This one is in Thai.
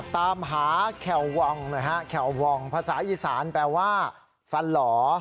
ตามหาแข่ววองแข่ววองภาษาอีสานแปลว่าฟันหล่อ